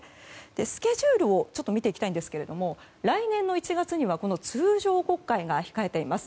スケジュールを見ていきたいんですけども来年の１月には通常国会が控えています。